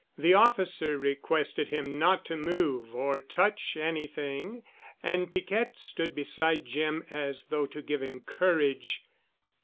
The officer requested him not to move or touch anything, and Piquette stood beside Jim as though to give him courage.